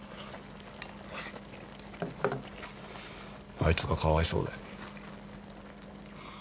あいつがかわいそうだよ。